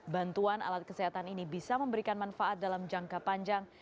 bantuan alat kesehatan ini bisa memberikan manfaat dalam jangka panjang